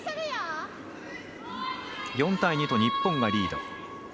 ４対２と日本がリード。